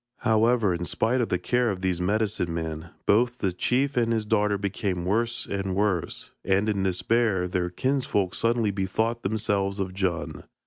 However, in spite of the care of these medicine men, both the chief and his daughter became worse and worse, and in despair, their kinsfolk suddenly bethought themselves of Djun.